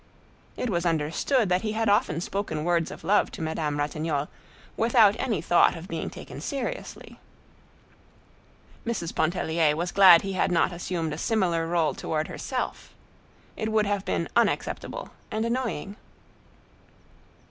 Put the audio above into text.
It was understood that he had often spoken words of love to Madame Ratignolle, without any thought of being taken seriously. Mrs. Pontellier was glad he had not assumed a similar role toward herself. It would have been unacceptable and annoying.